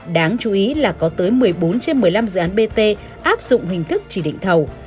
đáng chú ý là có tới một mươi bốn trên một mươi năm dự án bt áp dụng hình thức chỉ định thầu